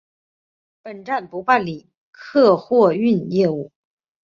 本站不办理客货运业务。